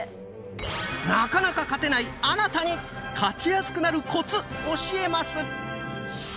なかなか勝てないあなたに勝ちやすくなるコツ教えます！